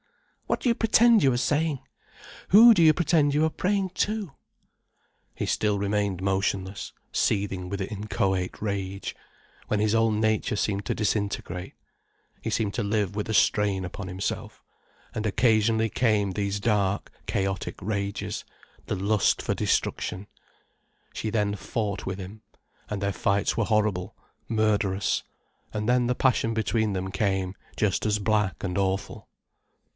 What do you pretend you are saying? Who do you pretend you are praying to?" He still remained motionless, seething with inchoate rage, when his whole nature seemed to disintegrate. He seemed to live with a strain upon himself, and occasionally came these dark, chaotic rages, the lust for destruction. She then fought with him, and their fights were horrible, murderous. And then the passion between them came just as black and awful.